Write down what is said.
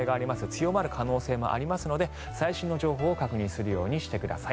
強まる可能性もありますので最新の情報を確認するようにしてください。